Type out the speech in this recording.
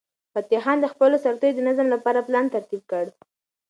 فتح خان د خپلو سرتیرو د نظم لپاره پلان ترتیب کړ.